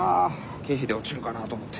経費で落ちるかなと思って。